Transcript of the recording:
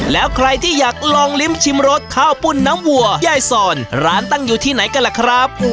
แล้วใครที่อยากลองลิ้มชิมรสข้าวปุ้นน้ำวัวยายซอนร้านตั้งอยู่ที่ไหนกันล่ะครับ